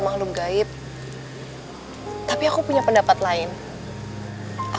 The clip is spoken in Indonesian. aku harus belajar